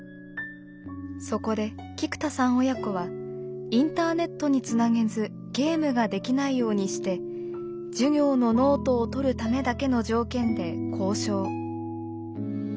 そこで菊田さん親子はインターネットにつなげずゲームができないようにして授業のノートをとるためだけの条件で交渉。